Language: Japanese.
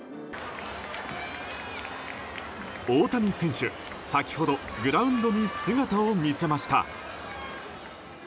大谷選手、先ほどグラウンドに姿を見せました。